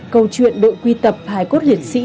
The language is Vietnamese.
câu chuyện đội quy tập hải quốc liệt sĩ